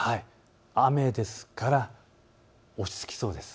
雨ですから落ち着きそうです。